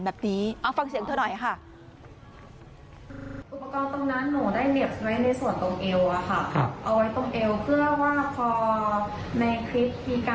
หรือพอในคลิปมีการกดสั่นแล้วก็ได้ส่งจังหวะมาให้หนูได้แสดงออกมา